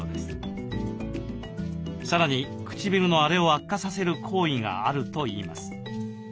さらに唇の荒れを悪化させる行為があるといいます。